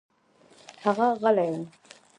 هغه غلى و.